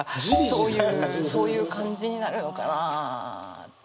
そういうそういう感じになるのかなあ。